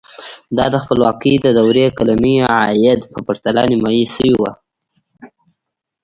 دا د خپلواکۍ د دورې کلني عاید په پرتله نیمايي شوی و.